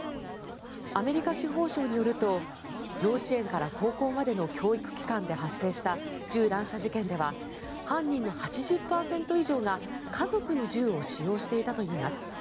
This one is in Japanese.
アメリカ司法省によると幼稚園から高校までの教育機関で発生した銃乱射事件では犯人の８０％以上が家族の銃を使用していたといいます。